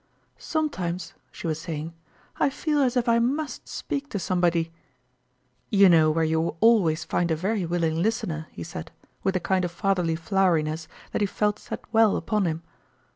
" Sometimes," she was saying, " I feel as if I must speak to somebody !" "You know where you will always find a very willing listener !" he said, with a kind of fatherly floweriness that he felt sat well upon him.